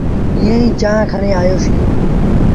ائيٚݩ چآنه کڻي آيوس